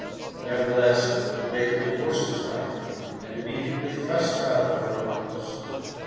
Nevertheless, the baker divorced his wife, and immediately thrust her out of her own house.